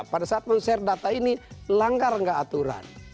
pada saat men share data ini langgar nggak aturan